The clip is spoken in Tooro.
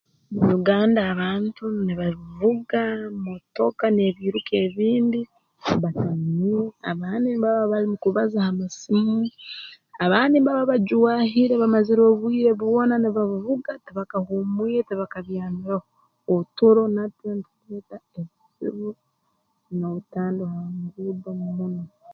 Mu Uganda abantu nibavuga motoka n'ebiiruka ebindi batamiire abandi nibaba balimu kubaza ha masimu abandi mbaba bajwahire bamazire obwire bwona nibavuga tibakahuumwire tibakabyamireho oturo natwo ntuhika [unintelligible] n'obutandwa mu nguudo [unintelligible]